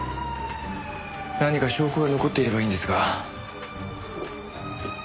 何か証拠が残っていればいいんですが。